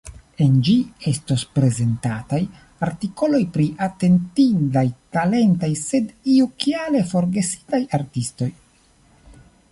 En ĝi estos prezentataj artikoloj pri atentindaj, talentaj, sed iukiale forgesitaj artistoj.